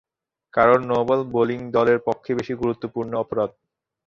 কারণ no ball bowling দলের পক্ষে বেশি গুরুতর অপরাধ।